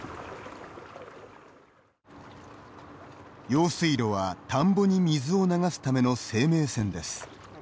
用水路は、田んぼに水を流すための生命線です。